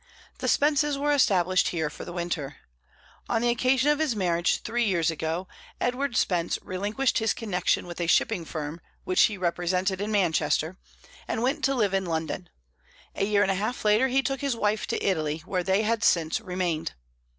The Spences were established here for the winter. On the occasion of his marriage, three years ago, Edward Spence relinquished his connection with a shipping firm, which he represented in Manchester, and went to live in London; a year and a half later he took his wife to Italy, where they had since remained.